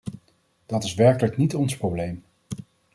Dat is werkelijk niet ons probleem.